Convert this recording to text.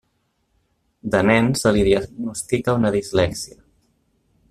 De nen, se li diagnostica una dislèxia.